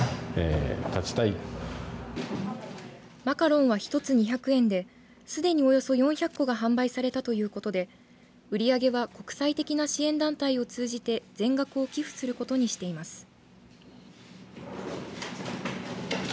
マカロンは１つ２００円ですでに、およそ４００個が販売されたということで売り上げは国際的な支援団体を通じて全額を寄付することにしています。